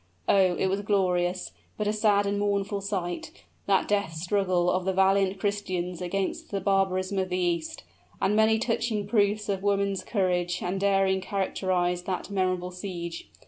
Oh! it was a glorious, but a sad and mournful sight that death struggle of the valiant Christians against the barbarism of the East. And many touching proofs of woman's courage and daring characterized that memorable siege.